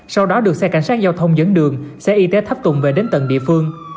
sau đó được xe cảnh sát giao thông dẫn đường xe y tế thấp tụng về đến tầng địa phương